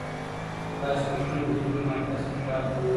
تاسي په کوم علمي مرکز کي کار کوئ؟